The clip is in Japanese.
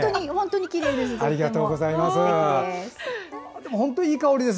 ありがとうございます。